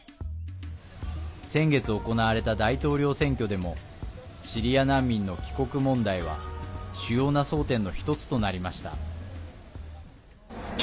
先月行われた大統領選挙でもシリア難民の帰国問題は主要な争点の一つとなりました。